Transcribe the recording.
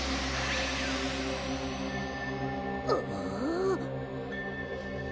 ああ。